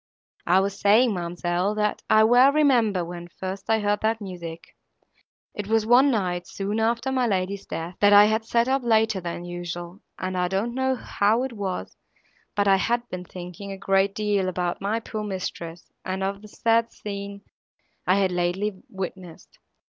"I was saying, ma'amselle, that I well remember when first I heard that music. It was one night, soon after my lady's death, that I had sat up later than usual, and I don't know how it was, but I had been thinking a great deal about my poor mistress, and of the sad scene I had lately witnessed.